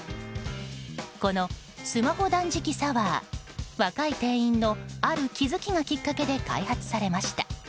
このスマホ断食サワー若い店員のある気づきがきっかけで開発されました。